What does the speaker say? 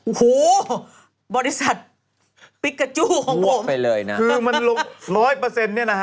โอ้โหบริษัทพิกาจูของผมคือมันลง๑๐๐เนี่ยนะฮะ